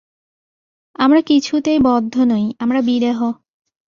আমরা কিছুতেই বদ্ধ নই, আমরা বিদেহ।